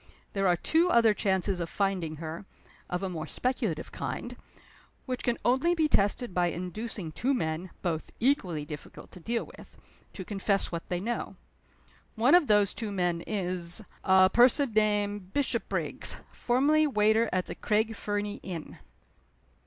There are two other chances of finding her (of a more speculative kind) which can only be tested by inducing two men (both equally difficult to deal with) to confess what they know. One of those two men is a person named Bishopriggs, formerly waiter at the Craig Fernie inn."